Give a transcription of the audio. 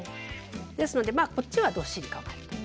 ですのでこっちはどっしり構えると。